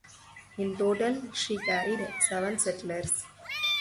In total she carried seven settlers.